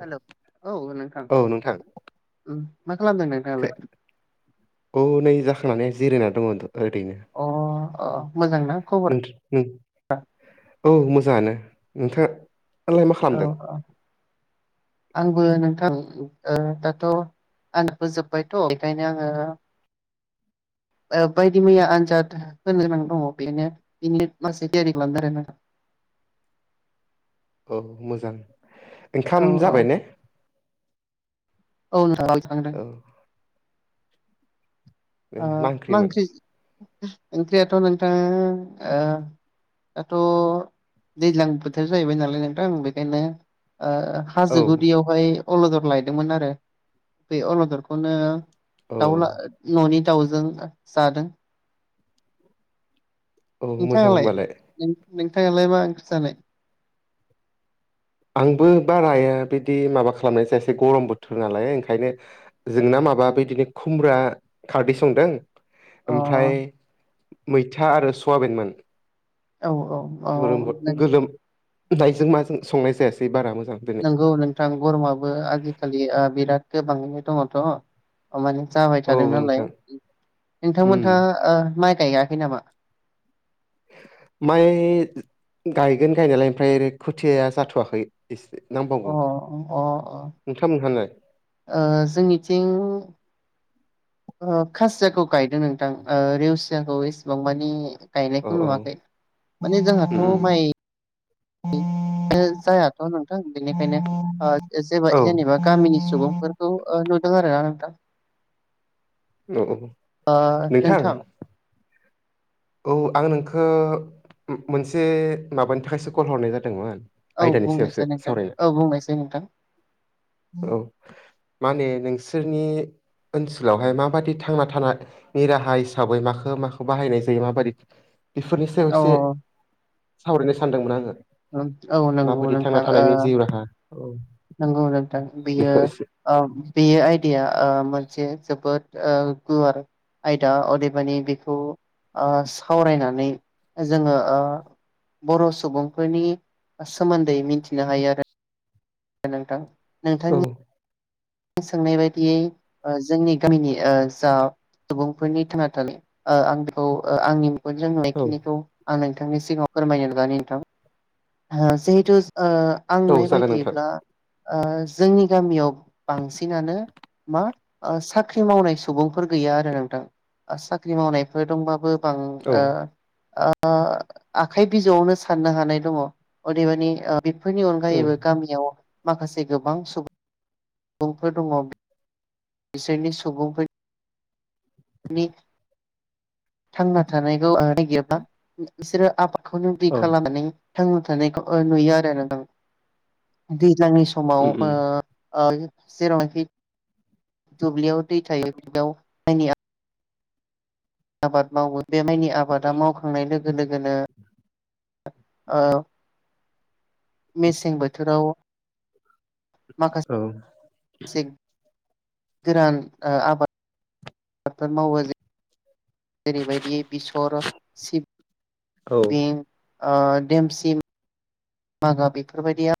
Hello औ नोंथां औ नोंथां उम मा खालामदों नोंथाङालाय? जिरायनानै दङ ओैनो अ अ मोजांना खबर औ मोजाङानो नोंथां औ औ आंबो नोंथां ओ दाथ' आंनबोजोब्बायथ' बेखायनो आङो बायदि मैया आनजाद होनो गोनां दङ बेनो बिनि माखासे थियारि खालामदों आरोना औ मोजां औ ओंखाम जाबाय ने औ [unintelligible] ए मा ओंख्रिमोन ओंख्रियाथ' नोंथां आ दाथ' दैज्लां बोथोर जाहैबाय नालाय नोंथां आं बेखायनो ओ औ हाजो गुदियावहाय अलदद लायदोंमोन आरो बे अलददखौनो औ दाउ ला न'नि दाउजों जादों औ मोजां नोंथाङालाय होनबालाय नों नोंथाङालाय मा ओंख्रि जानाय आंबो बाराया बिदि माबा खालामनाय जायासै गरम बोथोर नालाय ओंखायनो जोंना मा बा बिदिनो खुमब्रा खारदै संदों अ ओमफ्राय मैथा आरो सवाबिनमोन औ औ औ गोलोम गोलोमनायजों माजों संनाय जायासै बारा मोजां दिनै नंगौ नोंथां गरमाबो आजिखालि बिराद गोबांयैनो दङथ' अमाने जाबाय औ थादों नालाय नोंथां उम नोंथांमोनहा ओ माइ गायाखै नामा? माइ गायगोन गायनायालाय ओमफ्राय खोथिया जाथ'वाखै एसे अ नांबावगौ अ अ नोंथांमोनहालाय ओ जोंनिथिं ओ खासियाखौ गायदों नोंथां ओ रेवसियाखौ एसेबां मानि औ गायनायखौ औ नुवाखै माने उम जोंहाथ' माइ जायाथ' नोंथां बेनिखायनो जे औ जेनेबा गामिनि सुबुंफोरखौ नु आरो ना नोंथां औ औ ओ नोंथां औ आं नोंख मोनसे माबानि थाखायसो कल हरनाय जादोंमोन औ आयदानि सायावसो बुंनायसाय नोंथां सावरायनो औ बुंनायसाय नोंथां औ माने नोंसोरनि ओनसोलावहाय माबादि थांना थानायनि राहा हिसाबै माखौ माखौ बाहायनाय जायो ज माबायदि बेफोरनि सायाव औ एसे सावरायनो सानदोंमोन आङो औ नंगौ माबायदि थांना नोंथां ओ थानायनि जिउ राहा औ नंगौ नोंथां बियो बेखौ एसे ओ बे आयदाया ओ मोनसे जोबोद ओ गुवार आयदा अदेबानि बेखौ ओ सावरायनानै जोङो ओ बर' सुबुंफोरनि सोमोन्दै मिथिनो हायो आरो नोंथां औ नोंथांनि आं सोंनाय बायदियै ओ जोंनि गामिनि ओ जा सुबुंफोरनि थांना थानाय ओ आं बेखौ ओ आंनि जों औ बेखिनिखौ आं नोंथांनि सिगाङाव फोरमायनो ननानै नोंथां जिहेथु ओ आं औ नुनाय जागोन नोंथां बादियैब्ला ओ जोंनि गामियाव बांसिनानो मा साख्रि मावनाय सुबुंफोर गैया आरो नोंथां साख्रि मावनायफोर दंबाबो गोबां औ ओ आखाइ बिजौआवनो साननो हानाय दङ अदेबानि ओ बेफोरनि उम अनगायैबो गामियाव माखासे गोबां सुबुं सुबुंफोर दङ बिसोरनि सुबुंफोरनि नि थांना थानायखौ नागिरोबा बिसोरो आबाद बेखौनो बि औ खालामनानै थांना थानायखौ नुयो आरो नोंथां सिगांनि समाव उम उम ओ जेरावनाखि दुब्लियाव दै थायो बियाव मायनिया आबाद मावो बे माइनि आबादा मावखांनाय लोगो लोगोनो ओ मेसें बोथोराव औ माखासे गोरान आबाद आबादफोर मावो जे जेरैबायदि बेसर सिब औ बिं ओ देमसि मागा बेफोरबायदिया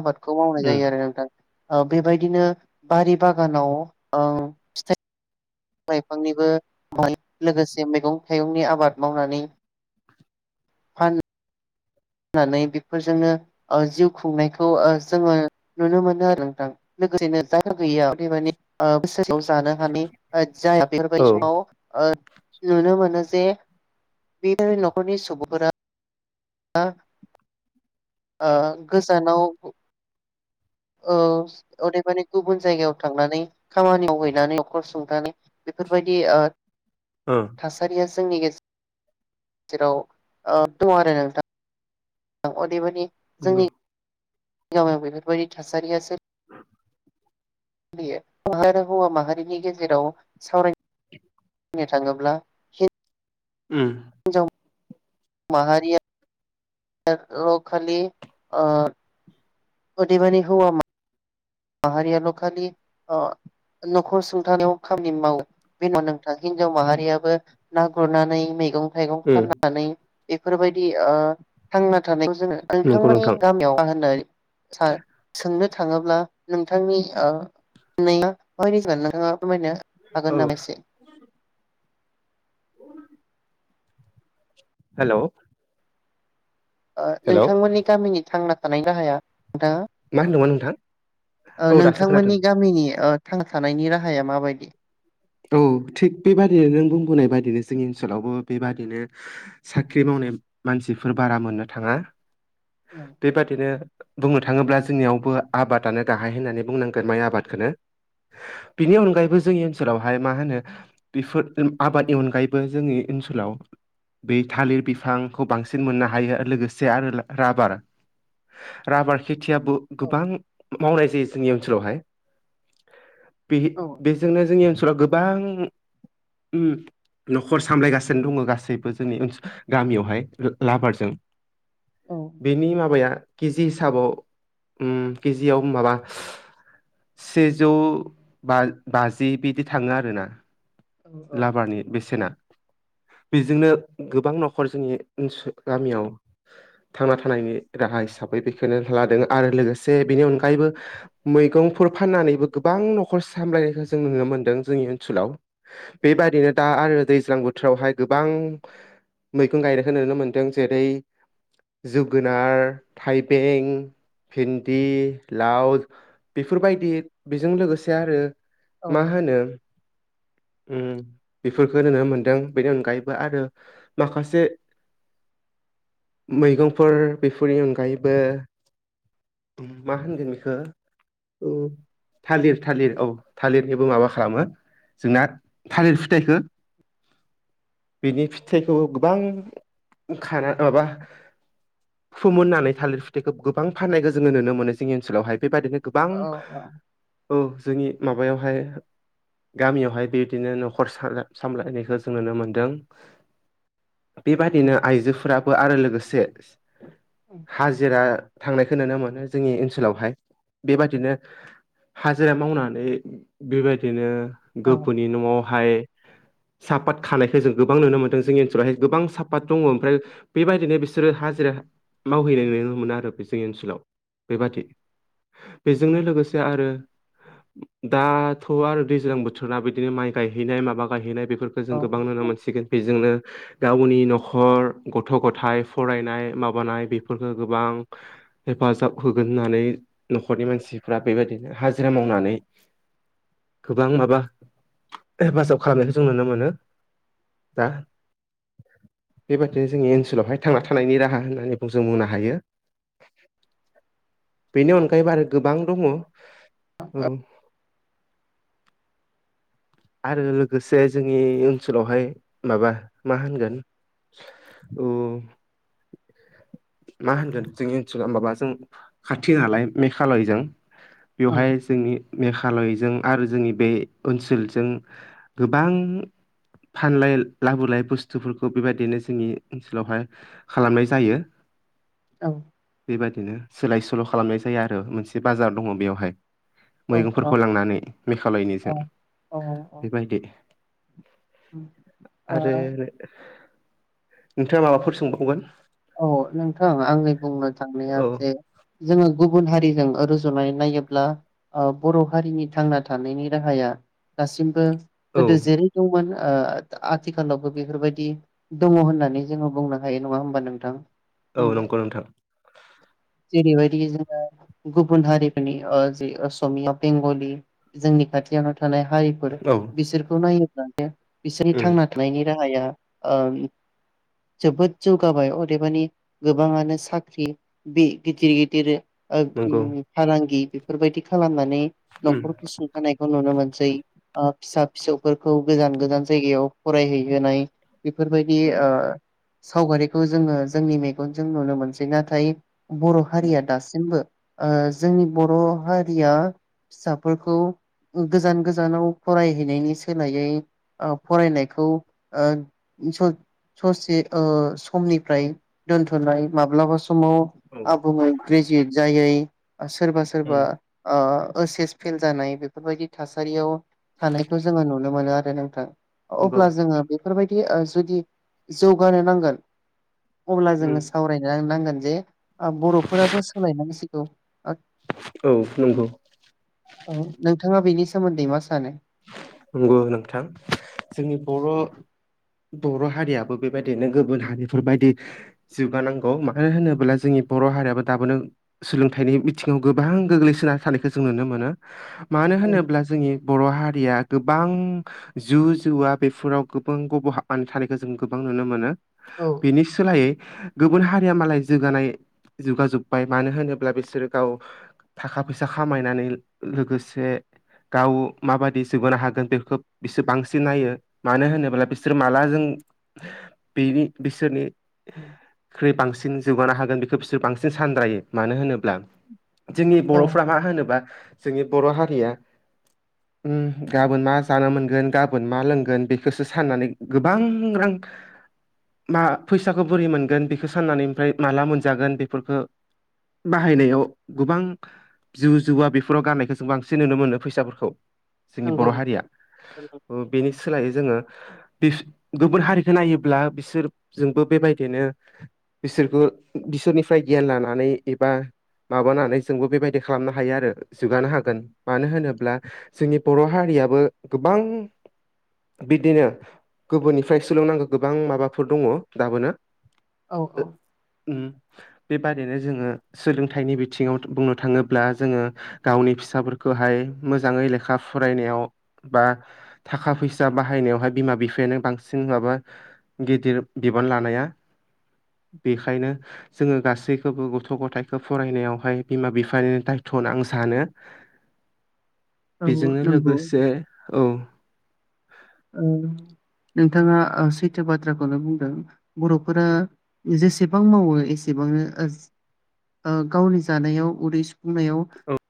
आबादखौ मावनाय उम जायो आरो नोंथां ओ बेबायदिनो बारि बागानाव उम फिथाइ बिफां लाइफांनिबो म लोगोसे मैगं थाइगंनि आबाद मावनानै फान होननानै बेफोरजोंनो ओ जिउ खुंनायखौ ओ जोङो नुनो मोनो आरो नोंथां [unintelligible] बोसोरसेयाव जानो हाने जाया बेफोरबायदि समाव ओ नुनो मोनो जे बेफोर न'खरनि सुबुंफोरा आ आ गोजानाव ओ अदेबानि गुबुन जायगायाव थांनानै खामानियाव हैनानै नखर सुं नानै बेफोरबायदि ओ थासारिया जोंनि गेजे जेराव ओ दं आरो नोंथां अदेबानि नंगो गामियाव बेफोरबायदि थासारियासो बियो आरो हौवा माहारिनि गेजेराव सावराय नो थाङोब्ला हिन उम माहारिया ओ औ खालि ओ अदेबानि हौवा मां माहारियाल' खालि अ न'खर सुंथानायाव खामानि मावो बे नङा नोंथां हि हिनजाव माहारियाबो ना गुरनानै मैगं थाइगं उम फाननानै बेफोरबायदि ओ थांना थानाय जोङो नंगौ नोंथांमोननि नोंथां गामियाव मा होननाय सा सोंनो थाङोब्ला नोंथांनि ओ [unintelligible] नोंथाङा फोरमायनो औ हागोन नामा इसे हेल' ओ हेल' नोंथांमोननि गामिनि थांना थानायनि राहाया नोंथाङा मा होनदोंमोन नोंथां? ओ औ दासो खोनादों नोंथांमोननि गामिनि ओ थांना थानायनि राहाया माबायदि औ थिग बेबादिनो नों बुंबोनाय बादिनो जोंनि ओनसोलावबो बेबादिनो साख्रि माव [unintelligible] मानसिफोर बारा मोननो थाङा औ बेबादिनो बुंनो थाङोब्ला जोंनियावबो आबादानो गाहाय होननानै बुंनांगोन माइ आबादखोनो बिनि अनगायैबो जोंनि ओ सोलावहाय मा होनो बेफो आबादनि अनगायैबो जोंनि ओनसोलाव बे थालिर बिफांखौ बांसिन मोननो हायो लोगोसे आरो राबार रबारखि थियाबो औ गोबां मावनाय जायो जोंनि ओनसोलावहाय बे औ बेजोंनो जोंनि ओनसोलाव गोबां उम न'खर सामलायगासिनो दङ गासैबो जोंनि ओनसो गामियावहाय लाबारजों औ बेनि माबाया केजि हिसाबाव उम केजियाव माबा सेजौ बा बाजि बि बिदि थाङो आरोना लाबारनि बेसेना बेजोंनो गोबां न'खर जोंनि ओनसो गामियाव थांना थानायनि राहा हिसाबै बेखौनो लादों आरो लोगोसे बेनि अनगायैबो मैगंफोर फाननानैबो गोबां न' खर सामलायनायखौ जों नुनो मोनदों जोंनि ओनसोलाव बेबायदिनो दा आरो दैज्लां बोथोरावहाय गोबां मैगं गायनायखौ नुनो मोन्दों जेरै जोगोनार थाइबें भिन्दि लाव बेफोरबायदि बेजों लोगोसे आरो औ मा होनो उम बेफोरखौ नुनो मोनदों बेनि अनगायैबो आरो माखासे मैगंफोर बेफोरनि अनगायैबो मा होनगोन बेखौ उ थालिर थालिर औ थालिरनिबो माबा खालामो जोंना थालिर फिथाइखो बिनि फिथाइखौ गोबां खाना माबा फोमोननानै थालिर फिथाइखौ गोबां फाननायखौ जोङो नुनो मोनो। जोंनि ओनसोलावहाय बेबायदिनो गोबां औ औ जोंनि माबायावहाय गामियावहाय बेबायदिनो न'खर साला सामलायनायखौ जों नुनो मोनदों। बेबादिनो आइजोफोराबो आरो लोगोसे हाजिरा थांनायखौ नुनो मोनो जोंनि ओनसोलावहाय। बेबादिनो हाजिरा मावनानै बेबायदिनो औ गोबुननि न'आवहाय सापात खानायखौ जों गोबां नुनो मोनदों। जोंनि ओनसोलावहाय गोबां साफात दङ। ओमफ्राय बेबायदिनो बिसोरो हाजिरा मावहैनाय नुनो मोनो आरो बे जोंनि ओनसोलाव बेबादि। बेजोंनो लोगोसे आरो दाथ' आरो दैज्लां बोथ थोरना बिदिनो माइ गायहैनाय माबा गायहैनाय बेफ फोरखौ जों गोबां नुनो मोनसिगोन। बेजोंनो गावनि न'खर गथ' गथाय फरायनाय माबानाय बेफोरफोरखौ गोबां हेफाजाब होगोन होननानै न'खरनि मानसिफ्रा बेबायदिनो हाजिरा मावनानै गोबां माबा हेफाजाब खालामनायखौ जों नुनो मोनो। दा बेबादिनो जोंनि ओनसोलावहाय थांना थानायनि राहा होननानै जों बुंनो हायो। बेनि अनगायैबो आरो गोबां दङ। औ [inaudible] आरो लोगोसे जोंनि ओनसोलावहाय माबा मा होनगोन? औ मा होनगोन जोंनि ओनसोलाव माबा जों खाथि नालाय मेघालयजों बेवहाय जोंनि मेघालयजों आरो जोंनि बे ओनसोल जों गोबां फानलाय लाबोलाय बुस्थुफोरखौ बेबायदिनो जोंनि ओनसोलावहाय खालामनाय जायो। औ बेबादिनो सोलाय सोल' खालामनाय जायो आरो, मोनसे बाजार दङ बेवहाय। मैगंफोरखौ लांनानै मेघालयनिजों औ औ बेबायदि ओ आरो नोंथाङा माबाफोर सोंबावगोन? औ नोंथां आंनि बुंनो थांनाया औ जे जोङो गुबुन हारिजों रुजुनानै नायोब्ला ओ बर' हारिनि थांना थानायनि राहाया दासिमबो औ गोदो जेरै दंमोन ओ आथिखालावबो बेफोरबायदि दङ होननानै जोङो बुंनो हायो नङा होमबा नोंथां? औ नंगौ नोंथां। जेरै बायदि जोङो गुबुन हारिफोरनि ओ जि असमिया बेंगलि जोंनि खाथियाव थानाय हारिफोर औ बिसोरखौ नायोब्लानो बिसोरनि उम थांना थानायनि राहाया ओ जोबोद जौगाबाय। अदेबानि गोबाङानो साख्रि बे गिदिर गिदिर नंगौ ओ फालांगि बेफोरबायदि खालामना नै उम न'खरखौ सुथानायखौ नुनो मोनसै। फिसा फिसौफोरखौ गोजान गोजान जायगायाव फरायहैहोनाय बेफोरबायदि उम ओ सावगारिखौ जोङो जोंनि मेगनजों नुनो मोनसै। नाथाय बर' उम हारिया दासिमबो ओ जोंनि बर' हारिया फिसाफोरखौ गोजान गोजानाव फरायहैनायनि सोलायै ओ फरायनायखौ ओ स' ससे ओ समनि फ्राय दोनथ'नाय माब्लाबा समाव औ आबुङै ग्रेजुयेट जायै। सोरबा सोरबा उम ओ ओस एस फेल जानाय बेफोरबायदि थासारियाव थानायखौ जोङो नुनो मोनो आरो नोंथां। नंगौ अब्ला जोङो बेफोरबायदि ओ जुदि जौगानो नांगोन। अब्ला उम जोङो सावरायनो नांगोन जे ओ बर'फोराबो सोलाय नांसिगौ। औ नंगौ औ नोंथाङा बेनि सोमोन्दै मा सानो नंगौ नोंथां जोंनि बर' बर' हारियाबो बेबायदिनो गुबुन हारिफोरबायदि जौगानांगौ मानो होनोब्ला जोंनि बर' हारियाबो दाबोनो सोलोंथाइनि बिथिङाव गोबां गोग्लैसोना थानायखौ जों नुनो मोनो मानो औ होनोब्ला जोंनि बर' हारि हारिया गोबां जौ जुवा बेफोराव गोबां गब'हाबनानै थानायखौ जों गोबां नुनो मोनो औ बेनि सोलायै गुबुन हारिया मालाय जौगानाय जौगाजोब्बाय मानो होनोब्ला बिसोरो गाव थाखा फैसा खामायनानै लोगोसे गाव माबादि जौगानो हागोन बेखौ बिसोर बांसिन नायो मानो होनोब्ला बिसोर माला जों बे बि बिसोरनि ख्रुइ बांसिन जौगानो हागोन बेखौ बिसोर बांसिन सानद्रायो मानो होनोब्ला जोंनि औ बर'फ्रा मा होनोबा जोंनि बर' हारिया गाबोन मा जानो मोनगोन गाबोन मा लोंगोन बेखौसो साननानै गोबां रां मा फैसाखौ बोरै मोनगोन बेखौ साननानै ओमफ्राय माला मोनजागोन बेफोरखौ बाहायनायाव गोबां जौ जुवा बेफोराव गाननायखौ जों बांसिन नुनो मोनो फैसाफोरखौ जोंनि नंगौ बर' नोंथां। हारिया बेनि सोलायै जोङो गुबुन हारिखौ नायोब्ला बिसोरजोंबो बेबायदिनो बिसोरखौ बिसोरनिफ्राय गियान लानानै एबा माबानानै जोंबो बेबायदि खालामनो हायो आरो जौगानो हागोन मानो होनोब्ला जोंनि बर' हारियाबो गोबां बिदिनो गुबुननिफ्राइ सोलोंनांगौ गोबां माबाफोर दङ दाबोनो औ ओ औ ओम बेबादिनो जोङो सोलोंथाइनि बिथिङाव बुंनो थाङोब्ला जोङो गावनि फिसाफोरखौ खौहाय मोजाङै लेखा फरायनायाव बा थाखा फैसा बाहायनायावहाय बिमा बिफायानो बांसिन माबा गिदिर बिबान लानाया बेखायनो जोङो गासैखौबो गथ' गथाइखौ फरायनायावहाय बिमा बिफानि दायथ' गोनां सानो औ बेजोंनो नंगौ लोगोसे औ ओ नोंथाङा सैथो बाथ्राखौनो बुंदों बर'फोरा जेसे जेसेबां मावो एसेबांनो ओ गावनि जानायाव उदै सुफुंनायाव औ